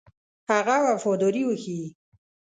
هغه وفاداري وښيي.